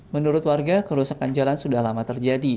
menurut warga kerusakan jalan sudah lama terjadi